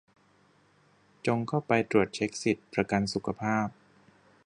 จงเข้าไปตรวจเช็คสิทธิ์ ประกันสุขภาพ